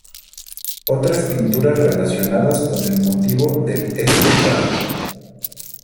Otras pinturas relacionadas con el motivo del este cuadro